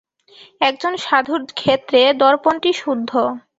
একজন সাধুর ক্ষেত্রে দর্পণটি শুদ্ধ।